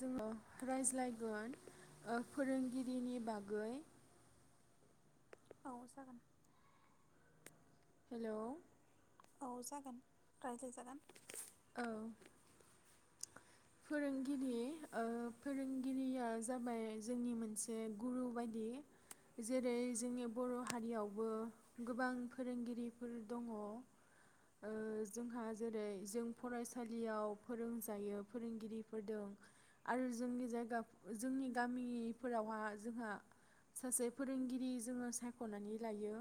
जोङो रायज्लायगोन फोरोंगिरिनि बागै औ जागोन। हेल' औ जागोन रायज्लाय जागोन। औ फोरोंगिरि ओ फोरोंगिरिया जाबाय जोंनि मोनसे गुरु बायदि जेरै जोंनि बर हारियावबो गोबां फोरोंगिरिफोर दङ ओ जोंहा जेरै जों फरायसालियाव फोरोंजायो फोरोंगिरिफोरदों आरो जोंनि जायगा जोंनि गामिफोरावहा जोंहा सासे फोरोंगिरि जोङो सायखनानै लायो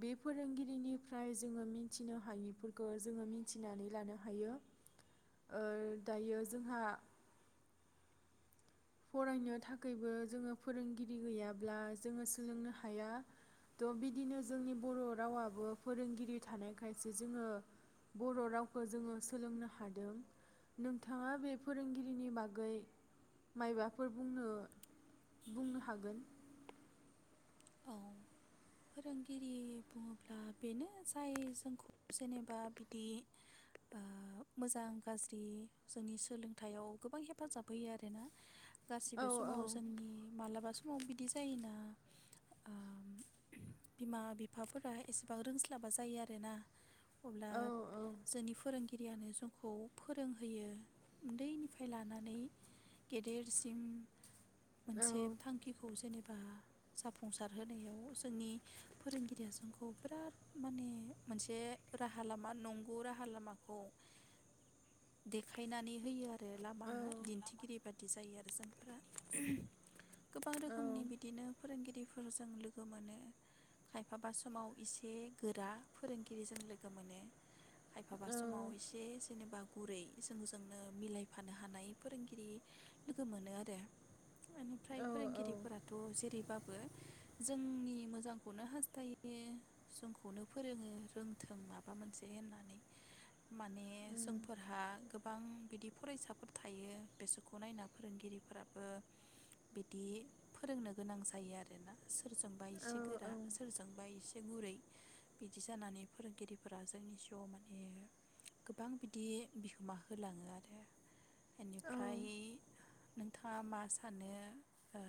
बे फोरोंगिरिनिफ्राय जोङो मिथिनो हायिफोरखौ जोङो मिथिनानै लानो हायो। ओ दायो जोंहा फरायनो थाखबो जोङो फोरोंगिरि गैयाब्ला जोङो सोलोंनो हाया थ बिदिनो जोंनि बर रावाबो फोरोंगिरि थानायखायसो जोङो बर रावखौ जोङो सोलोंनो हादों। नोंथाङा बे फोरोंगिरिनि बागै माइबाफोर बुंनो बुंनो हागोन औ फोरोंगिरि बुङोब्ला बेनो जाय जोंखौ जेनेबा बिदि ओ मोजां गाज्रि जोंनि सोलोंथायाइयाव गोबां हेफाजाब होयो आरोना औ गासिबो औ समाव जोंनि मालाबा सम समाव बिदि जायोना ओ बिमा बिफाफोरा एसेबां रोंस्लाबा जायो आरोना अब्ला औ जोंनि फोरों गिरियानो जोंखौ फोरोंहोयो उन्दैनिफ्राय लानानै गेदेरसिम औ मोनसे थांखिखौ जेनेब बा साफ जाफुंसार होनायाव जोंनि फोरोंगिरिया जोंखौ बिराद माने मोनसे राहा लामा नंगौ राहा लामाखौ देखायनानै होयो आरो लामा औ दिन्थिगिरि बादि जायो आरो जोंफोरा गोबां औ रोखोमनि बिदिनो फोरोंगिरि फोरजों लोगो मोनो खायफाबा समाव इसे गोरा फोरोंगिरिजों लोगो मोनो खायफाबा औ समाव एसे जेनेबा गुरै जोंजोंनो मिलायफानो हानाय फोरोंगिरि लोगो मोनो आरो बेनिफ्राय फोरोंगिरिफोराथ जेरै बो जोंनि मोजांखौनो हास्थायो जोंखौनो फोरोङो रोंथों माबा मोनसे होननानै माने जोंफोरहा गोबां बिदि फरायसाफोर थायो बेसोरखौ नायना फोरोंगिरिफोराबो बिदि फोरोंनो गोनां जा जायो आरोना सो सोरजोंबा इसे गोरा औ सोरजोंबा इसे गुरै बिदि जानानै फोरोंगिरिफोरा जोंनि जिआव माने गोबां बिदि बिहोमा होलाङोआरो औ बेनिफ्राय नोंथाङा मा सानो ओ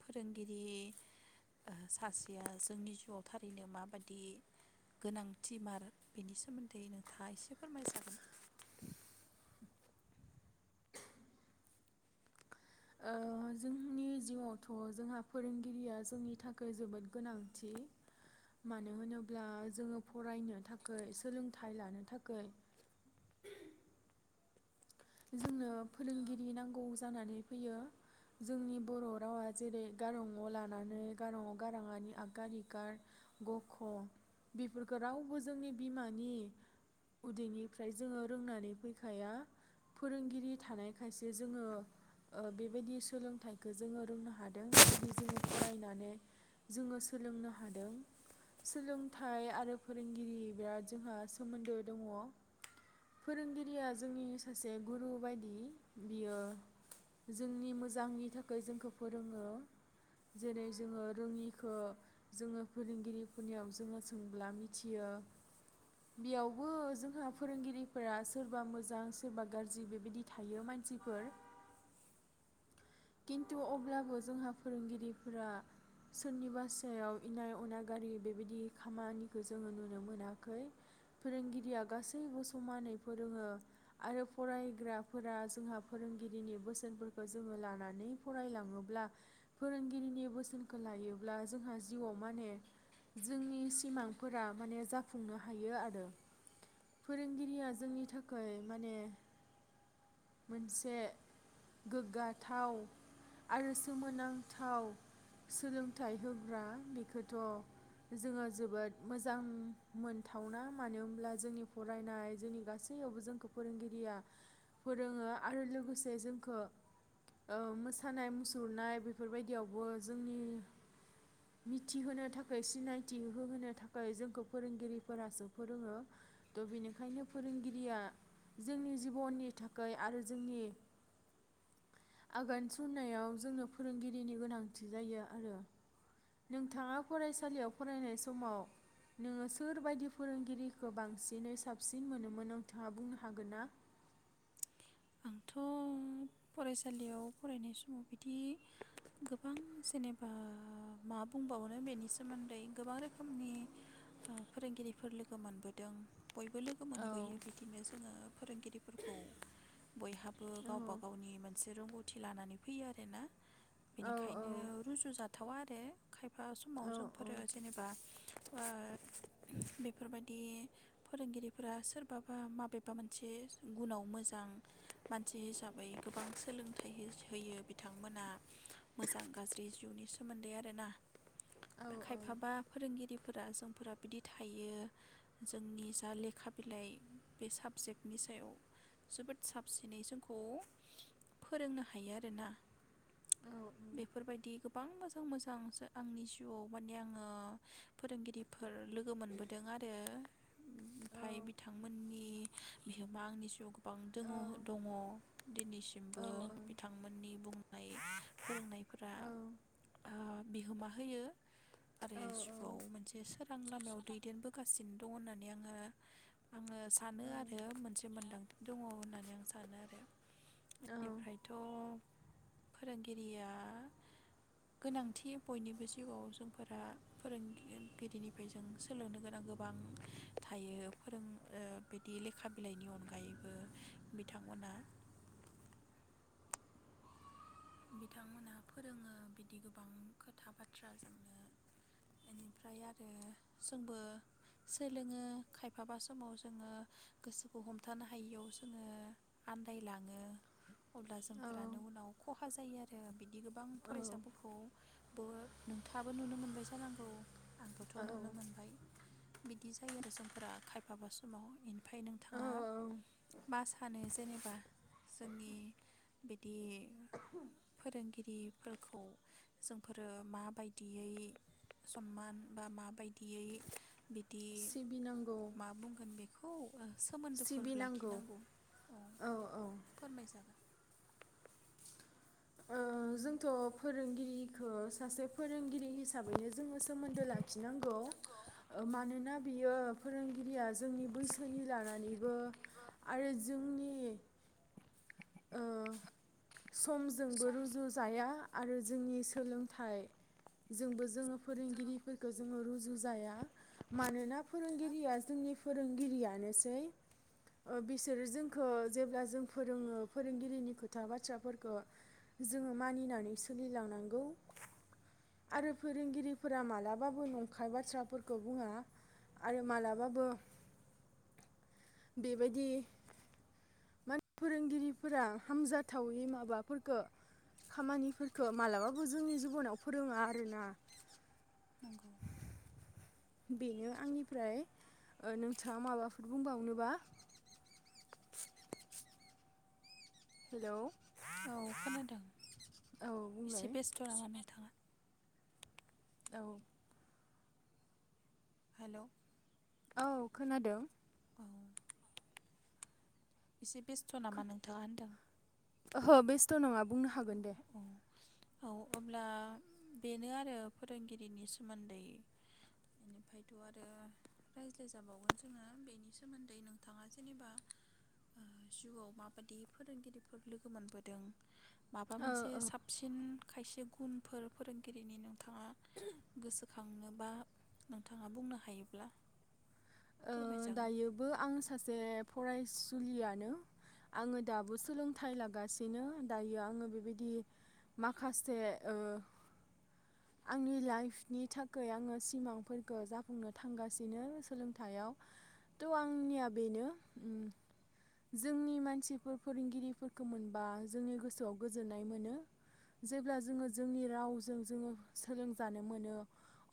फोरोंगिर रि सासेया जोंनि जिउआव थारैनो माबायदि गोनांथि मार बेनि सोमोन्दै नोंथाङा एसे फोरमायजागोन ओ जोंनि जिउआवथ जोंहा फोरोंगिरिया जोंनि थाखाय जोबोद गोनांथि मानो होनोब्ला जोङो फरायनो थाखाय सोलोंथाइ लानो थाखाय जोंनो फोरोंगिरि नांगौ जानानै फैयो जोंनि बर रावा जेरै गारां अ लानानै गारां आ गाराङानि आखार इखार ग क बेफोरफोरखौ रावबो जोंनि बिमानि उदैनिफ्राय जोङो रोंनानै फैखाया फोरोंगिरि थानायखायसे जोङो बेबायदि सोलोंथाइखौ जोङो रोंनो हादों बेबायदि जोङो फरायनानै जोङो सोलोंनो हादों सोलोंथाइ आरो फोरोंगिरि बिराद जोंहा सोमोन्दो दङ फोरोंगिरिया जोंनि सासे गुरु बायदि बियो जोंनि मोजांनि थाखाय जोंखौ फोरोङो जेरै जोङो रोङिखौ जोङो फोरोंगिरिफोरनियाव जोङो सोंब्ला मिथियो बेयावबो जोंहा फोरोंगिरिफोरा सोरबा मोजां सो सोरबा गाज्रि बेबायदि थायो मानसिफोर खिन्थु अब्लाबो जोंहा फोरोंगिरिफोरा सोरनिबासायाव इनाय अना गारि बेबायदि खामानिखौ जोङो नुनो मोनाखै फोरोंगिरिया गासैबो समानै फोरोङो आरो फरायग्राफोरा जोंहा फोरोंगिरिनि बोसोनफोरखौ जोङो लाना नै फरायलाङोब्ला फोरोंगिरिनि बोसोनखौ लायोब्ला जोंहा जिउआव माने जोंनि सिमांफोरा माने जाफुंनो हायोआरो फोरोंगिरिया जोंनि थाखाय माने मोनसे गोग्गाथाव आरो सोमोनांथाव सोलोंथाइ होग्रा बेखौथ जोङो जोबोद मोजां मोनथावना मानो होनब्ला जोंनि फरायनाय जोंनि गासैयावबो जोंखौ फोरोंगिरिया फोरोङो आरो लोगोसे जोंखौ मोसानाय मुसुरनाय बेफोरबायदियावबो जोंनि मिथिहोनो थाखाय सिनायथि होहोनो थाखाय जोंखौ फोरोंगिरिफोरासो फोरोङो थ बेनिखायनो फोरोंगिरिया जोंनि जिबननि थाखाय आरो जोंनि आगान सुरनायाव जोंनो फोरोंगिरिनि गोनांथि जायो आरो नोंथाङा फरायसालियाव फरायनाय समाव नोङो सोरबायदि फोरोंगिरिखौ बांसिनै साबसिन मोनोमोन नोंथाङा बुंनो हागोन ना आंथ फरायसालियाव फरायनाय समाव बिदि गोबां जेनेबा मा बुंबावनो बेनि सोमोन्दै गोबां रोखोमनि फोरोंगिरिफोर लोगो मोनबोदों बयबो लोगो औ मोनबोयो बिदिनो जोङो फोरोंगिरिफोरखौ बयहाबो औ गाव मोनसे रोंगौथि लानानै फैयो आरोना औ बेनिखायनो रुजु जाथ थावा आरो खायफा समाव औ जोंफोरो जेनेबा ओ बे बेफोरबायदि फोरोंगिरिफोरा सोरबाबा माबेबा मोनसे गुनाव मोजां मानसि हिसाब ओमफ्राय गोबां सोलोंथाइ होयो बिथांमोना मोजां गाज्रि जिउनि सोमोन्दै आरोना खायफाबा फोरोंगिरि जायफोरा जोंफोरा बिदि थायो जोंनि जा लेखा बिलाइ बे साबजेक्टनि सायाव जोबोद साबसिनै जोंखौ फोरोंनो हायो आरोना बेफोरबायदि गोबां मोजां मोजां आंनि जिउआव माने आङो फोरोंगिरिफो लोगो मोनबोदों आरो ओमफाय बिथांमोननि बिहोमा आंनि जिउआव गोबां दोङो दङ दिनैसिमबो बिथांमोननि बुंनाय फोरोंनायफोरा औ ओ बिहोमा होयो आरो औ जिउआव औ मोनसे सोर आ लामायाव दैदेनबोगासिनो दं होननानै आङो आङो सानो औ आरो मोनसे मोनदांथि दङ होननानै आं सानो आरो बेनिफ्रायथ फोरोंगिरिया गोनांथि बयनिबो जिउआव जोंफोरा फोरोंगिरिनिफ्राय जों सोलोंनो गोनां गोबां थायो फोरों ओ बिदि लेखा बिलाइनि अनगायैबो बिथांमोनहा बिथांमोनहा फोरोङो बिदि गोबां खोथा बाथ्रा जोंनो इनिफ्राय आरो जोंबो सोलोङो खायफाबा समाव जोङो गोसोखौ हमथानो हायियाव जोङो आन्दायलाङो अब्ला औ जोंफोरानो उनाव खहा जायो आरो बिदि गोबां औ फरायसाफोरखौ नोंथाङाबो नुनो मोनबाय जानांगौ आंबोथ नुनो औ मोनबाय बिदि जायो आरो जोंफोरा खायफाबा समाव ओमफ्राय नोंथाङा औ मा सानो जेनेबा जोंनि बिदि फोरोंगिरिफोरखौ जोंफोरो माबायदियै सनमान बा माबायदियै बिदि सिबिनांगौ मा बुंगोन बे खौ ओ सोमोन्दोफोर सिबिनांगौ लाखिनांगौ औ फोरमायजागोन ओ जोंथ फोरोंगिरिखौ सासे फोरोंगिरि हिसाबैनो जोङो सोमोन्दो लाखिनांगौ मानोना बियो फोरोंगिरिया जोंनि बैसोनि लानानैबो आरो जोंनि ओ समजोंबो रुजुजाया आरो जोंनि सोलोंथाइ जोंबो जोङो फोरोंगिरिफोरखौ जोङो रुजु जाया मानोना फोरोंगिरिया जोंनि फोरोंगिरियानोसै ओ बिसोरो जोंखौ जेब्ला जों फोरोङो फोरोंगिरिनि खोथा बाथ्राफोरखौ जोङो मानिनानै सोलिलांनांगौ आरो फोरोंगिरिफोरा मालाबाबो नंखाय बाथ्राफोरखौ बुङा आरो मालाबाबो बेबायदि म फोरोंगिरि फोर हामजाथावि माबाफोरफोरखौ खामानिफोरखौ मालाबाबो जोंनि जिबनाव फोरोङा आरोना नंगौ बेनो आंनिफ्राय नोंथाङा माबाफोर बुंबावनोबा हेलौ औ खोनादों औ एसे बुंलाय बेस्थ नामा नोंथाङा? औ हेलौ औ खोनादों औ एसे बेस्थ नामा नोंथाङा होनदों ओहो बेसथ नङा बुंनो औ हागोन दे औ औ अब्ला बेनो आरो फोरोंगिरिनि सोमोन्दै बेनिफ्रायथ' आरो रायज्लायजाबावगोन जोङो बेनि सोमोन्दै नोंथाङा जेनेबा ओ जिउआव माबादि फोरोंगिरिफोर लोगो मोनबोदों माबा ओ मोनसे ओ साबसिन खायसे गुनफोर फोरोंगिरिनि थाङा गोसो खांनोबा नोंथाङा बुंनो हायोब्ला ओ फोरमायजागोन। दायोबो आं सासे फराय सुलियनो आङो दाबो सोलोंथाइ लागासिनो दायो आङो बेबायदि माखासे ओ आंनि लाइफनि थाखाय आङो सिमांफोरखौ जाफुंनो थांगासिनो सोलोंथाइ सायाव थ आंनिया बेनो उम जोंनि मानसिफोर फोरोंगिरिफोरखौ मोनबा जोंनि गोसोआव गोजोननाय मोनो जेब्ला जोङो जोंनि रावजों जोङो सोलोंजानो मोनो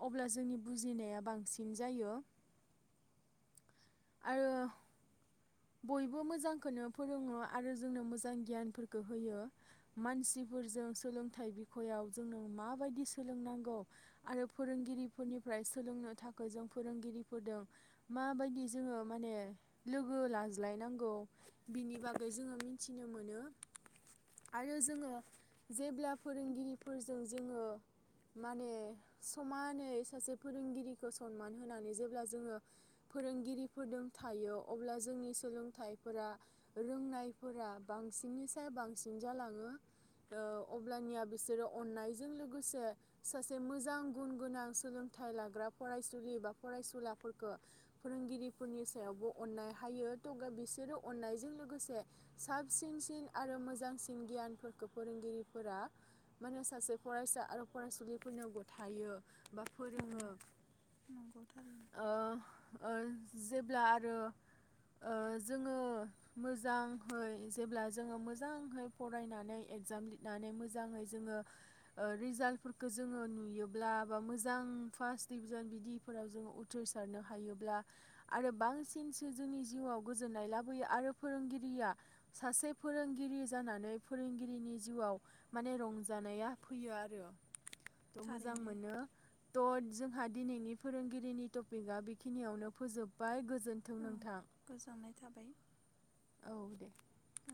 अब्ला जोंनि बुजिनाया बांसिन जायो। आरो बयबो मोजांखौनो फोरोङो आरो जोंनो मोजां गियानफोरखौ होयो मानसिफोरजों सोलोंथाइ बिखयआव जोंनो माबायदि सोलोंनांगौ आरो फोरोंगिरिफोरनिफ्राय सोलोंनो थाखाय जों फोरोंगिरिफोरदों माबायदि जोङो माने लोगो ला लाजलाय नांगौ बिनि बागै मिथिनो मोनो आरो जों जेब्ला फोरोंगिरिफोर जोङो माने समानै सांसे फोरोंगिरिखौ सनमान होनानै जेब्ला जोङो फोरोंगिरिफोरदों थायो अब्ला जोंनि सोलोंथाइफोरा रोंनायफोरा बांसिननि सायाव बांसिन जालाङो ओ अब्लानिया बिसोरो अननायजों लोगोसे सासे मोजां गुन गोनां सोलोंथाइ लाग्रा फरायसुलि बा फरायसुलाफोरखौ फोरोंगिरिफोरनि सायावबो अननाय हायो। त बिसोरो अननायजों लोगोसे साबसिनसिन आरो मोजांसिन गियानफोरखौ फोरोंगिरिफोरा माने सासे फरायसा आरो फरायसुलिफोरनो गथायो। बा ओं फोरोङो नंगौ थारैनो ओ ओ जेब्ला आरो ओ जोङो मोजांहै जेब्ला जोङो मोजांहै फरायनानै एगजाम लिरनानै मोजाङै जोङो ओ रिजाल्टफोरखौ जोङो नुयोब्ला बा मोजां फार्स्ट डिभिजन बिदिफोराव जोङो उथ्रिसारनो हायोब्ला आरो बांसिनसो जोंनि जिउआव गोजोननाय लाबोयो आरो फोरोंगिरिया सासे फोरोंगिरि जानानै फोरोंगिरिनि जिउआव माने रंजानाया फैयो आरो थ मोजां थारैनो मोनो ट जोंहा दिनैनि फोरोंगिरिनि टपिकआ बेखिनियावनो फोजोबबाय गोजोन जोन्थों नोंथां गोजाननाय थाबाय औ दे। औ।